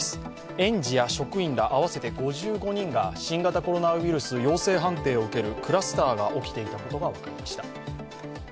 園児や職員ら合わせて５５人が新型コロナウイルス陽性判定を受けるクラスターが起きていたことが分かりました。